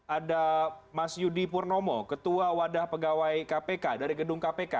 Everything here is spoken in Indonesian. ada mas yudi purnomo ketua wadah pegawai kpk dari gedung kpk